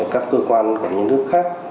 các cơ quan quản lý nhà nước khác